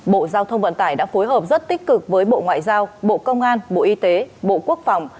bộ giao thông vận tải đã phối hợp rất tích cực với bộ ngoại giao bộ công an bộ y tế bộ quốc phòng